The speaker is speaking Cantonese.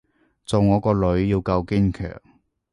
做我個女要夠堅強